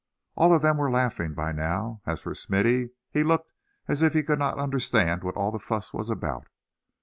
All of them were laughing by now. As for Smithy, he looked as if he could not understand what all the fuss was about.